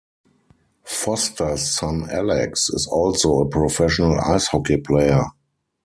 Foster's son Alex is also a professional ice hockey player.